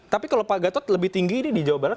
tapi kalau pak gatot lebih tinggi ini di jawa barat